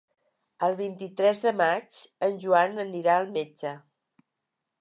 El vint-i-tres de maig en Joan anirà al metge.